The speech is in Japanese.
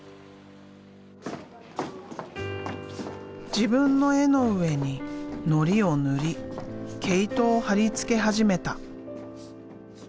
自分の絵の上にのりを塗り毛糸を貼り付け始めた。